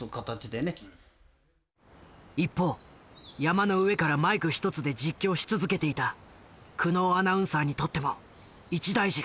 一方山の上からマイク一つで実況し続けていた久能アナウンサーにとっても一大事が。